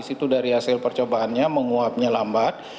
itu dari hasil percobaannya menguapnya lambat